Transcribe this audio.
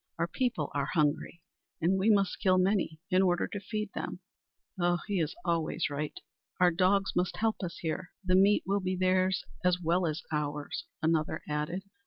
Our people are hungry, and we must kill many in order to feed them!" "Ugh, he is always right! Our dogs must help us here. The meat will be theirs as well as ours," another added.